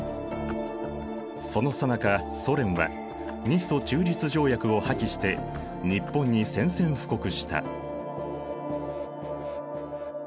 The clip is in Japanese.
そのさなかソ連は日ソ中立条約を破棄して日本に宣戦布告した。